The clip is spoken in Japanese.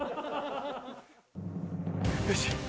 よし。